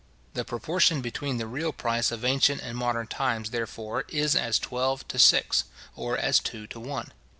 The proportion between the real price of ancient and modern times, therefore, is as twelve to six, or as two to one.